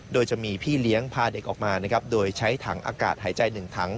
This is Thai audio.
โดยจะมีพี่เลี้ยงพาเด็กออกมานะครับโดยใช้ถังอากาศหายใจ๑ถัง